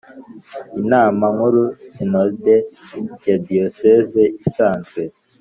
Inama nkuru Sinode ya Diyoseze isanzwe